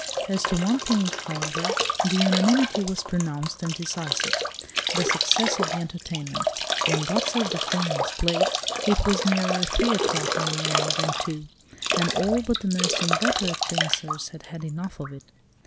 As to one thing, however, the unanimity was pronounced and decisive—the success of the entertainment. When "God Save the Queen" was played, it was nearer three o'clock in the morning than two, and all but the most inveterate dancers had had enough of it.